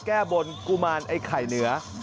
แก้บนกุมารไอ้ไข่เหนือ